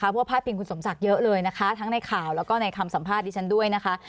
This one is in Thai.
เพราะว่าพาดพิงคุณสมศักดิ์เยอะเลยนะคะทั้งในข่าวแล้วก็ในคำสัมภาษณ์ดิฉันด้วยนะคะ